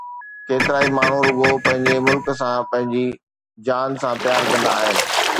ڪيترائي ماڻھو رڳو پنھنجي ملڪ سان پنھنجي جان سان پيار ڪندا آھن